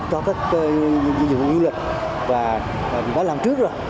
cho các dịch vụ y lực và đã làm trước rồi